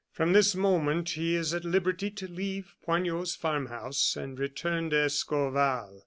From this moment, he is at liberty to leave Poignot's farm house and return to Escorval.